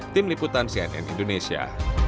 tim liputan cnn indonesia